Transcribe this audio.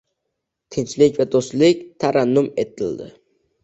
Tinchlik va do‘stlik tarannum etildi